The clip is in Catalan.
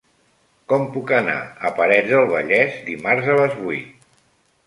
Com puc anar a Parets del Vallès dimarts a les vuit?